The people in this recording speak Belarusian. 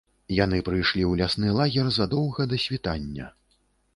Яны прыйшлі ў лясны лагер задоўга да світання.